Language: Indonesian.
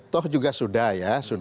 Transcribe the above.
toh juga sudah ya